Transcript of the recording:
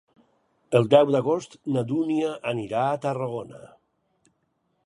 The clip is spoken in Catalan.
El deu d'agost na Dúnia anirà a Tarragona.